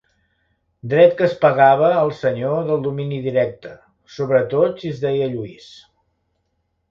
Dret que es pagava al senyor del domini directe, sobretot si es deia Lluís.